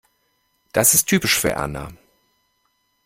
Das ist typisch für Erna.